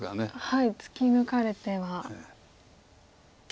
突き抜かれては。